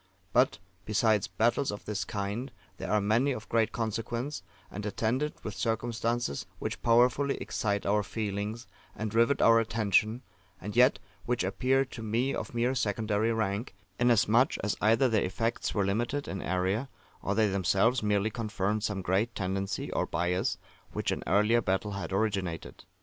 But, besides battles of this kind, there are many of great consequence, and attended with circumstances which powerfully excite our feelings, and rivet our attention, and yet which appear to me of mere secondary rank, inasmuch as either their effects were limited in area, or they themselves merely confirmed some great tendency or bias which an earlier battle had originated.